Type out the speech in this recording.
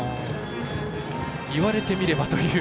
いわれてみればという。